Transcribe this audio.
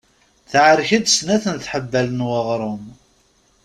Teɛrek-d snat teḥbal n weɣrum.